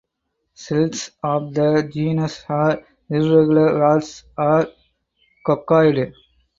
Cells of the genus are irregular rods or coccoid.